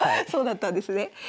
そうだったんですね。